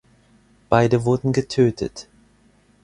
Beide wurden getötet.